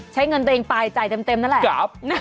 ใช้เงินตัวเองไปจ่ายเต็มนั่นแหละ